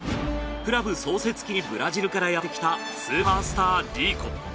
クラブ創設期にブラジルからやってきたスーパースタージーコ。